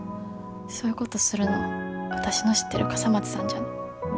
そういうことするのわたしの知ってる笠松さんじゃ。